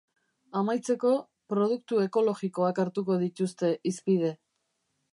Amaitzeko, produktu ekologikoak hartuko dituzte hizpide.